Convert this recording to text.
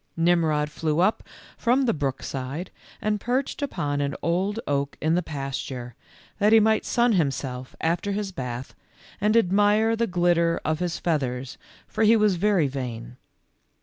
Nimrod flew up from the brook side, and perched upon an old oak in the pasture, that he might sun himself after his bath, and admire the glitter of his feathers, for he was very vain.